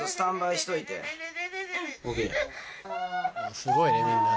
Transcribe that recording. すごいねみんな。